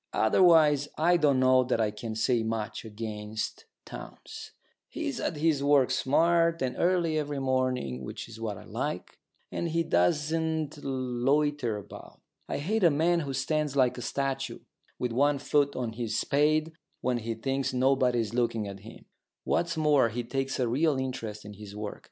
Otherwise I don't know that I can say much against Townes. He's at his work smart and early every morning, which is what I like; and he doesn't loiter about. I hate a man who stands like a statue, with one foot on his spade, when he thinks nobody is looking at him. What's more, he takes a real interest in his work.